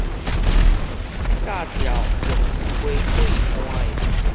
駕照用雞腿換的